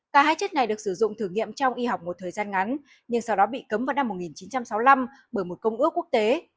cả hai chất này được sử dụng thử nghiệm trong y học một thời gian ngắn nhưng sau đó bị cấm vào năm một nghìn chín trăm sáu mươi năm bởi một công ước quốc tế